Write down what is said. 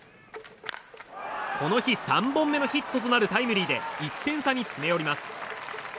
この日３本目のヒットとなるタイムリーで１点差に詰め寄ります。